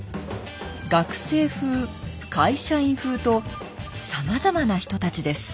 「学生風会社員風」とさまざまな人たちです。